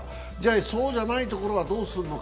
そうじゃないところはどうするのか。